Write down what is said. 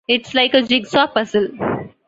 It's like a jigsaw puzzle.